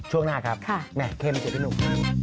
ช่วงหน้าครับแค่มาเจอกับพี่หนุ่ม